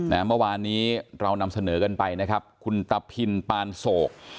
เมื่อวานนี้เรานำเสนอกันไปนะครับคุณตะพินปานโศก